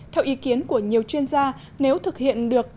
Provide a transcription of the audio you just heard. theo ý kiến của nhiều chuyên gia nếu thực hiện được